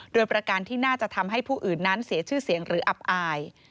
โดยประการที่น่าจะทำให้ผู้อื่นนั้นเสียชื่อเสียงหรืออับอาย